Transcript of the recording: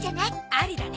ありだね！